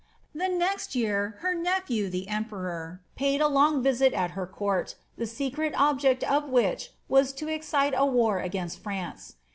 * The next year, her nephew, the emperor, paid a long visit at her court, the secret object of which was to excite a war against France.